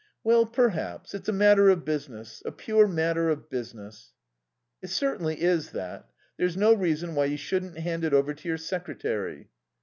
"Well. Perhaps. It's a matter of business. A pure matter of business." "It certainly is that. There's no reason why you shouldn't hand it over to your secretary."